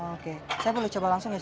oke saya boleh coba langsung ya